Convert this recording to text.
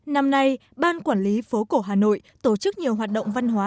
năm nay ban quản lý phố cổ hà nội tổ chức nhiều hoạt động văn hóa